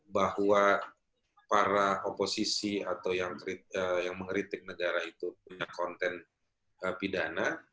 bahwa para oposisi atau yang mengeritik negara itu punya konten pidana